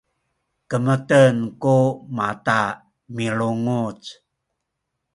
kemeten ku mata milunguc